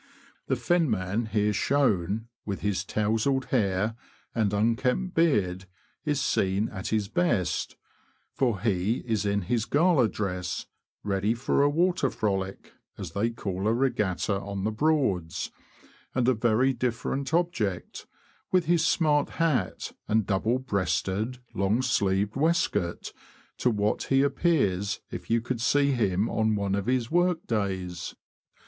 The fenman here shown, with his towzled hair and unkempt beard, is seen at his best, for he is in his gala dress, ready for a water frolic, as they call a regatta on the Broads, and a very different object — with his smart hat and double breasted, long sleeved waistcoat — to what he appears if you could see him on one of his work days.